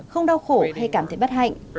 không đau khổ hay cảm thấy bất hạnh